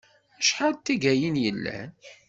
Acḥal n taggayin yellan?